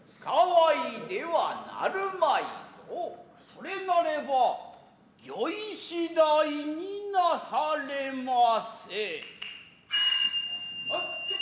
それなれば御意次第になされませ。